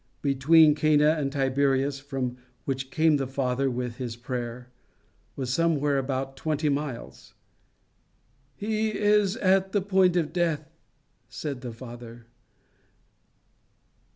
Between Cana and Tiberias, from which came the father with his prayer, was somewhere about twenty miles. "He is at the point of death," said the father.